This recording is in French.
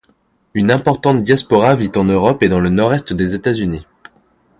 Une importante diaspora vit en Europe et dans le nord-est des États-Unis.